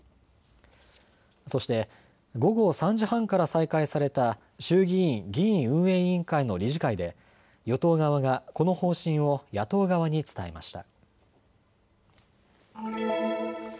そして午後３時半から再開された衆議院議院運営委員会の理事会で与党側がこの方針を野党側に伝えました。